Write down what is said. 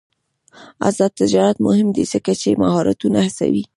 آزاد تجارت مهم دی ځکه چې مهارتونه هڅوي.